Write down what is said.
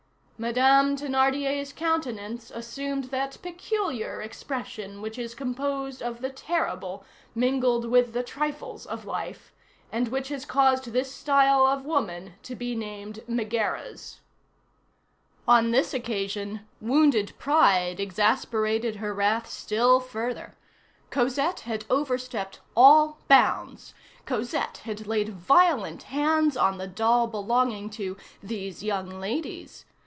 Madame Thénardier's countenance assumed that peculiar expression which is composed of the terrible mingled with the trifles of life, and which has caused this style of woman to be named Megaeras. On this occasion, wounded pride exasperated her wrath still further. Cosette had overstepped all bounds; Cosette had laid violent hands on the doll belonging to "these young ladies."